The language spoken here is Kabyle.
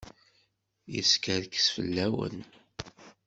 Yeskerkes fell-awen.